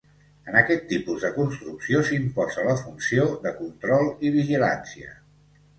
En aquest tipus de construcció s'imposa la funció de control i vigilància.